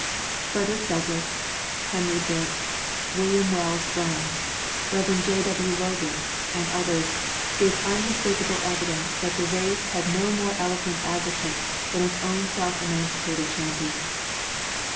Frederick Douglass, Henry Bibb, Wm. Wells Brown, Rev. J.W. Logan, and others, gave unmistakable evidence that the race had no more eloquent advocates than its own self emancipated champions.